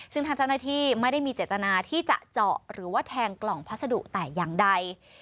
ซึ่งทางเจ้าหน้าที่ไม่ได้มีเจตนาที่จะเจาะหรือว่าแทงกล่องพัสดุแต่อย่างใด